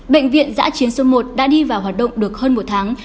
bệnh viện giã chiến số một đã đi vào hoạt động được hơn một tháng